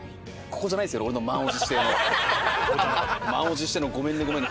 満を持しての「ごめんねごめんね」